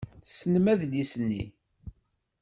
Tessnem adlis-nni.